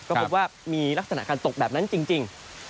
ก็พบว่ามีลักษณะการตกแบบนั้นจริง